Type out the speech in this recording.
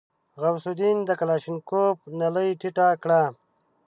غوث الدين د کلاشينکوف نلۍ ټيټه کړه.